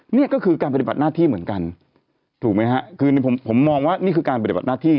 นี่ก็คือการปฏิบัติหน้าที่เหมือนกันถูกไหมฮะคือผมผมมองว่านี่คือการปฏิบัติหน้าที่